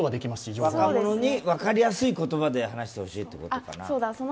若者にわかりやすい言葉で話してほしいってことかな？